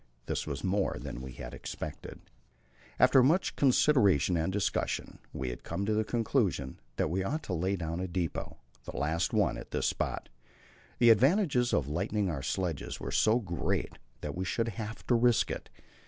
This was more than we had expected. After much consideration and discussion we had come to the conclusion that we ought to lay down a depot the last one at this spot. The advantages of lightening our sledges were so great that we should have to risk it.